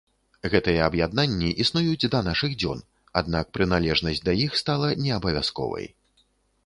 Гэтыя аб'яднанні існуюць да нашых дзён, аднак прыналежнасць да іх стала не абавязковай.